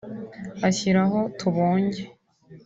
ashyiraho tubonge